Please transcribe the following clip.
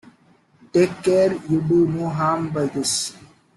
Take care you do no harm by this.